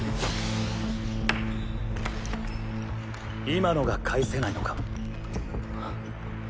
今のが返せないのか？